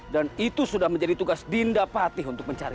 dan itu sudah menjadi tugas dinda patih untuk mencari